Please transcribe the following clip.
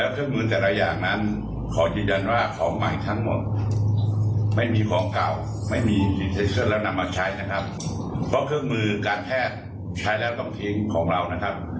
เพราะเครื่องมือการแพทย์ใช้แล้วต้องทิ้งของเรานะครับ